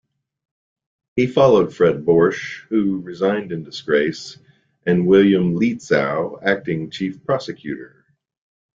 He followed Fred Borch, who resigned in disgrace, and William Lietzau, acting Chief Prosecutor.